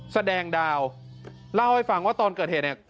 แสดงดาวเล่าให้ฟังว่าตอนเกิดเหตุเนี่ย